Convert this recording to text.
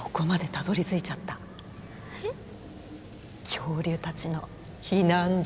恐竜たちの避難所。